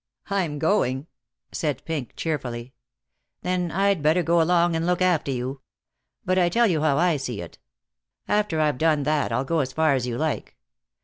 "I'm going," said Pink, cheerfully. "Then I'd better go along and look after you. But I tell you how I see it. After I've done that I'll go as far as you like.